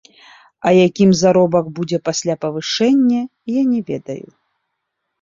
А якім заробак будзе пасля павышэння, я не ведаю.